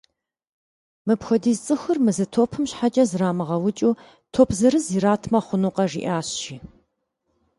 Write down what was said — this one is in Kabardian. Мыпхуэдиз цӏыхур мы зы топым щхьэкӏэ зрамыгъэукӏыу, топ зырыз иратмэ хъунукъэ? - жиӏащ, жи.